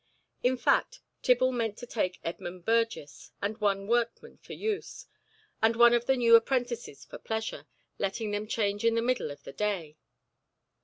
In fact, Tibble meant to take Edmund Burgess and one workman for use, and one of the new apprentices for pleasure, letting them change in the middle of the day.